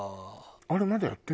あれまだやってる？